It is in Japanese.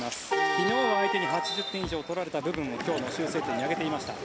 昨日は相手に８０点以上取られた部分を今日の修正点に挙げていました。